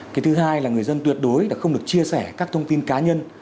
cái thứ hai là người dân tuyệt đối là không được chia sẻ các thông tin cá nhân